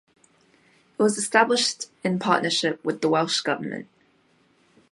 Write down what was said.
It was established in partnership with the Welsh Government.